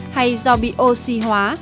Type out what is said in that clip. hay do bị oxy hóa